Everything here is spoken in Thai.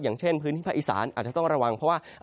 อย่างเช่นพื้นที่ภาคอีสานอาจจะต้องระวังเพราะว่า